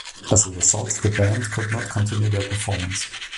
As a result, the band could not continue their performance.